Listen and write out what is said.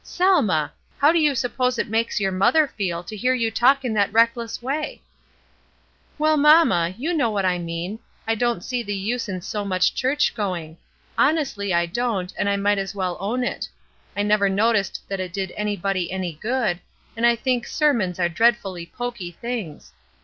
" Selma ! How do you suppose it makes your mother feel to hear you talk in that reckless way?" "Well, mamma, you know what I mean. I don't see the use in so much church going; honestly, I don't, and I might as well own it. I never noticed that it did anybody any good, and I think sermons are dreadfully pokey things.